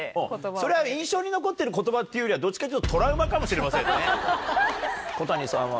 それは印象に残ってる言葉っていうよりはどっちかっていうとトラウマかもしれませんね。